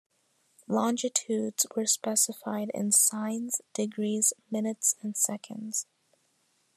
Longitudes were specified in signs, degrees, minutes, and seconds.